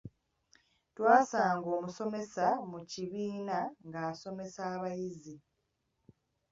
Twasanga omusomesa mu kibiina ng'asomesa abayizi.